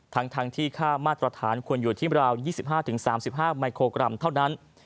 ทั้งที่ค่ามาตรฐานควรอยู่ที่ราว๒๕๓๕มิโครกรัมเท่านั้น